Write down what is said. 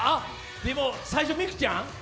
でも最初美空ちゃん？